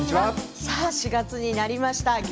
さあ、４月になりました。